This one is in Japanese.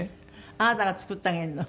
あなたが作ってあげるの？